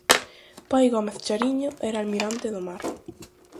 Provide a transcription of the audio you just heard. Pai Gómez Chariño era almirante do mar.